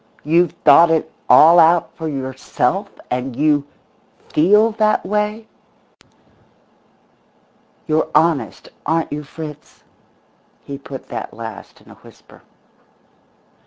You've thought it all out for yourself and you feel that way? You're honest, aren't you, Fritz?" He put that last in a whisper.